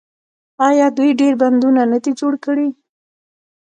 آیا دوی ډیر بندونه نه دي جوړ کړي؟